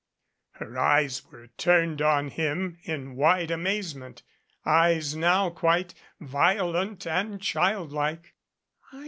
Her eyes were turned on him in wide amazement, eyes now quite violent and child like.